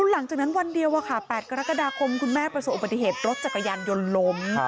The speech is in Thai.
หลังจากนั้นวันเดียว๘กรกฎาคมคุณแม่ประสบอุบัติเหตุรถจักรยานยนต์ล้ม